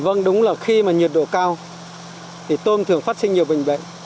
vâng đúng là khi mà nhiệt độ cao thì tôm thường phát sinh nhiều bệnh